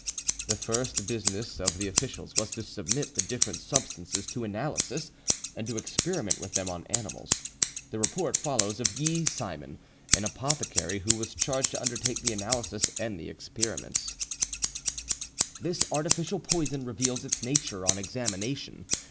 The first business of the officials was to submit the different substances to analysis, and to experiment with them on animals. The report follows of Guy Simon, an apothecary, who was charged to undertake the analysis and the experiments: "This artificial poison reveals its nature on examination.